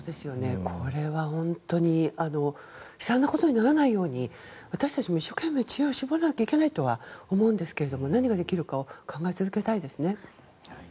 これは本当に悲惨なことにならないように私たちも一生懸命、知恵を絞らないといけないとは思いますが何ができるかを考え続けたいですね。